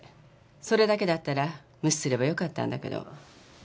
それだけだったら無視すれば良かったんだけど。